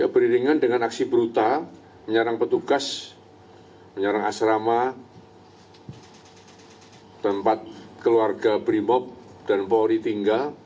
beriringan dengan aksi brutal menyerang petugas menyerang asrama tempat keluarga brimob dan polri tinggal